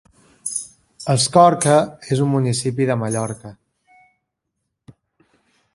Escorca és un municipi de Mallorca.